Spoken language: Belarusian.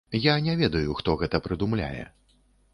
Я не ведаю, хто гэта прыдумляе.